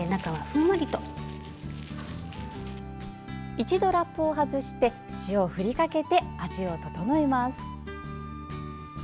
一度ラップを外して塩を振りかけて味を調えます。